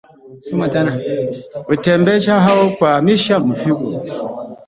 Kutembeza au kuhamisha mifugo